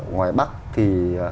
ngoài bắc thì